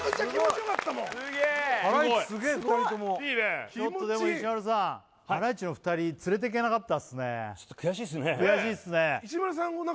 ちょっとでも石丸さんハライチの２人つれていけなかったっすね悔しいっすね